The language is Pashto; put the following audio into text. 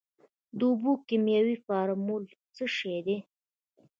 د اوبو کیمیاوي فارمول څه شی دی.